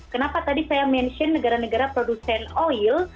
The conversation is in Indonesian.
kenapa tadi saya mention negara negara produsen oil